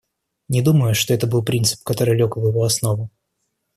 Не думаю, что это был принцип, который лег в его основу.